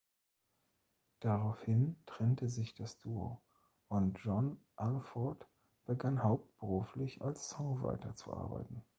Daraufhin trennte sich das Duo, und John Alford begann hauptberuflich als Songwriter zu arbeiten.